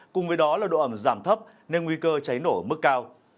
cùng với đó là độ ẩm giảm thấp nên nguy cơ cháy nổ ở mức cao